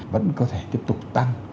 vẫn có thể tiếp tục tăng